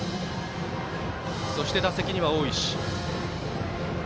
そして、打席には大石。